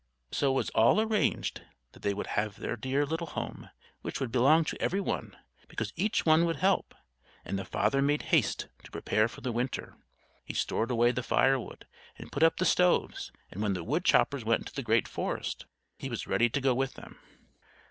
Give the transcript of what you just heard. So it was all arranged that they would have their dear little home, which would belong to every one, because each one would help; and the father made haste to prepare for the Winter. He stored away the firewood and put up the stoves; and when the wood choppers went to the great forest, he was ready to go with them.